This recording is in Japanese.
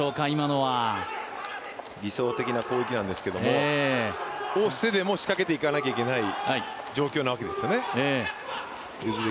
理想的な攻撃なんですけども、仕掛けていかなきゃいけない状況ですね。